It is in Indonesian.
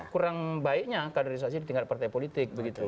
kurang baiknya kaderisasi di tingkat partai politik begitu